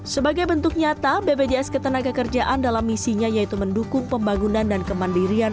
sebagai bentuk nyata bpjs ketenaga kerjaan dalam misinya yaitu mendukung pembangunan dan kemandirian